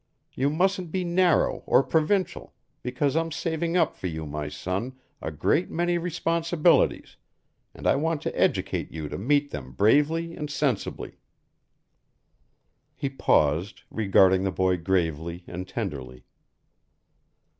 You mustn't be narrow or provincial, because I'm saving up for you, my son, a great many responsibilities, and I want to educate you to meet them bravely and sensibly." He paused, regarding the boy gravely and tenderly.